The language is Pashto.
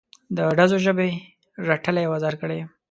د ډزو ژبې رټلی او ازار کړی یم.